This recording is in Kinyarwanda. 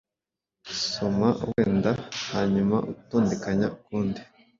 soma wenda hanyumautondekanya ukundi